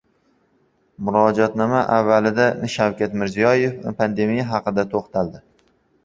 Murojaatnoma avvalida Shavkat Mirziyoyev pandemiya haqida to‘xtaldi